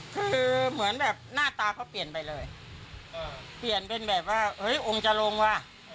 คือเหมือนแบบหน้าตาเขาเปลี่ยนไปเลยเปลี่ยนเป็นแบบว่าเฮ้ยองค์จะลงว่ะ